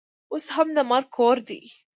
اوس هم د مرګ کور دی.